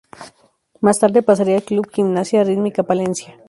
Más tarde pasaría al Club Gimnasia Rítmica Palencia.